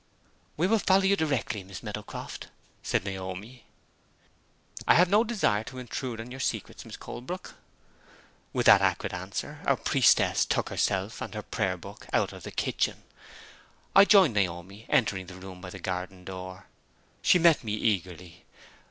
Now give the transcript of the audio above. "We will follow you directly, Miss Meadowcroft," said Naomi. "I have no desire to intrude on your secrets, Miss Colebrook." With that acrid answer, our priestess took herself and her Prayer Book out of the kitchen. I joined Naomi, entering the room by the garden door. She met me eagerly.